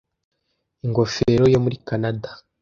Ingofero yo muri Kanada